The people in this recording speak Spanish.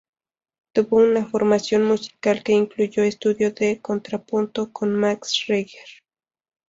Tuvo una formación musical que incluyó estudio de contrapunto con Max Reger.